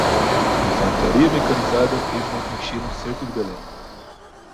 Infantaria mecanizada fez uma trincheira no cerco de Belém